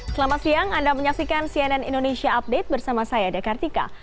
selamat siang anda menyaksikan cnn indonesia update bersama saya dekartika